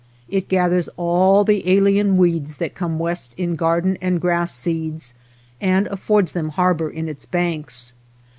It gathers all the alien weeds that come west in garden and grass seeds and affords them harbor in its banks.